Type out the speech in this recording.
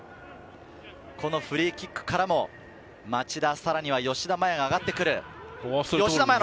このフリーキックからも、町田さらには吉田麻也が上がってくる。